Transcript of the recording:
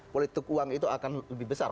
politik uang itu akan lebih besar